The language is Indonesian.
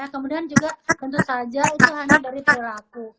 kemudian juga tentu saja itu hanya dari perilaku